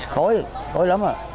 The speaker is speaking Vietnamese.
khói khói lắm à